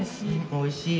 おいしい。